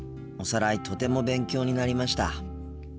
おさらいとても勉強になりました。